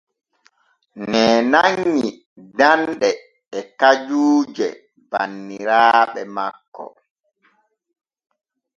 Ŋee nanŋi danɗe et kajuuje banniraaɓe makko.